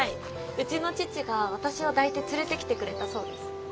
うちの父が私を抱いて連れてきてくれたそうです。